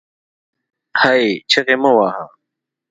هې ! چیغې مه واهه